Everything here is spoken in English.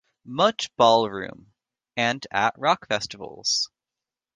Much Ballroom, and at rock festivals.